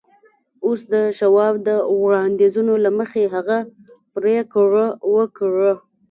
اوس د شواب د وړاندیزونو له مخې هغه پرېکړه وکړه